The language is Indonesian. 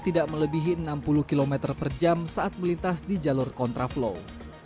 tidak melebihi enam puluh km per jam saat melintas di jalur kontraflow